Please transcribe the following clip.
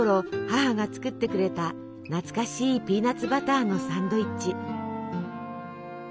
母が作ってくれた懐かしいピーナツバターのサンドイッチ。